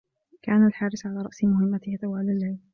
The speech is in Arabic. كان الحارس على رأس مهمته طوال الليل.